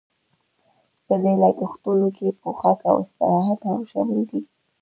په دې لګښتونو کې پوښاک او استراحت هم شامل دي